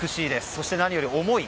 そして何より重い。